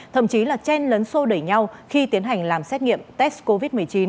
thậm chí là chen lấn sô đẩy nhau khi tiến hành làm xét nghiệm test covid một mươi chín